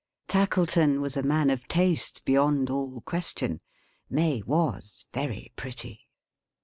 Tackleton was a man of taste, beyond all question. May was very pretty.